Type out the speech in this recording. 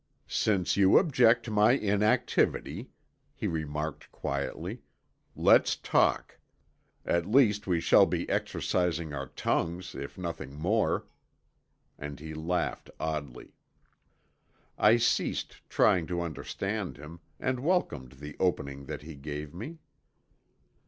"Since you object to my inactivity," he remarked quietly, "let's talk. At least we shall be exercising our tongues, if nothing more," and he laughed oddly. I ceased trying to understand him and welcomed the opening that he gave me.